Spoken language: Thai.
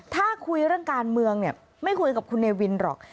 ถ้าคุยเรื่องการเมืองเนี่ยไม่คุยกับคุณเนวินหรอก